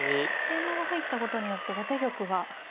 桂馬が入ったことによって後手玉は。